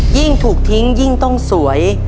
ยิ่งถูกทิ้งยิ่งต้องสวย